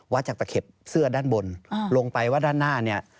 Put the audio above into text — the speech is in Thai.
จากตะเข็บเสื้อด้านบนลงไปว่าด้านหน้าเนี่ย